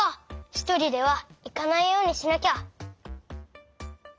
ひとりではいかないようにしなきゃ。